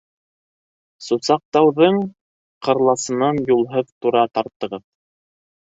Сусаҡтауҙың ҡырласынан юлһыҙ тура тартығыҙ.